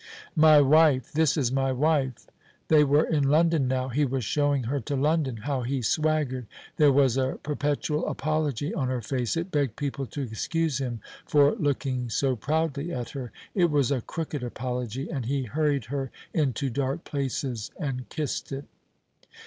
"My wife this is my wife!" They were in London now; he was showing her to London. How he swaggered! There was a perpetual apology on her face; it begged people to excuse him for looking so proudly at her. It was a crooked apology, and he hurried her into dark places and kissed it.